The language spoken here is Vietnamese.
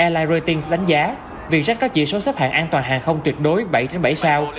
l i ratings đánh giá vietjet có chỉ số sắp hạng an toàn hàng không tuyệt đối bảy bảy sao